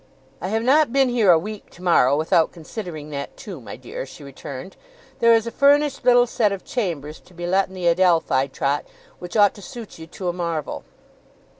'I have not been here a week tomorrow, without considering that too, my dear,' she returned. 'There is a furnished little set of chambers to be let in the Adelphi, Trot, which ought to suit you to a marvel.